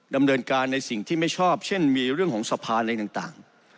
ดำเนินการในสิ่งที่ไม่ชอบเช่นมีเรื่องของสภาอะไรต่าง